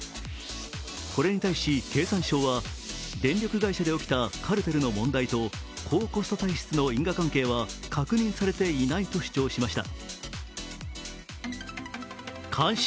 これに対し、経産省は電力会社で起きたカルテルの問題と高コスト体質の因果関係は確認されていないと主張しました。